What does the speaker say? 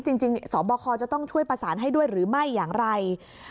สบคจะต้องช่วยประสานให้ด้วยหรือไม่อย่างไร